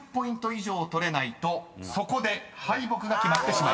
以上取れないとそこで敗北が決まってしまいます］